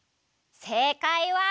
せいかいは。